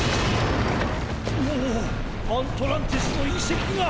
おおアントランティスのいせきが。